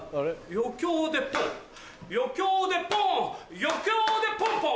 余興でポンポン余興でポンポン